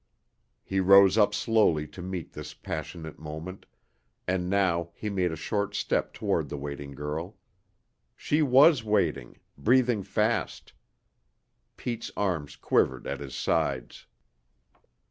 He rose up slowly to meet this passionate moment, and now he made a short step toward the waiting girl. She was waiting, breathing fast. Pete's arms quivered at his sides.